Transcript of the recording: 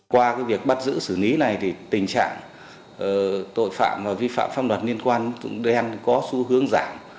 qua việc bắt giữ sử lý này tình trạng tội phạm và vi phạm pháp luật liên quan đến tín dụng đen có xu hướng giảm